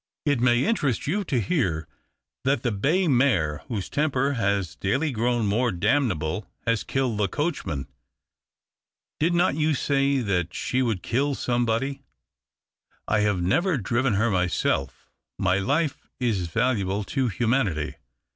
It may interest you to hear that the bay mare, whose temper has daily grown more damnable, has killed the coachman. Did not you say that she would kill somebody ? 1 have never driven her myself — my life is valuable to humanity.